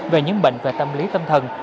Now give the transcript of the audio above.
về những bệnh về tâm lý tâm thần